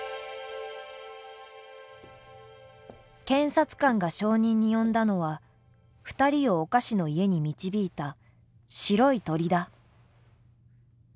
検察官が証人に呼んだのは２人をお菓子の家に導いた白い鳥だ。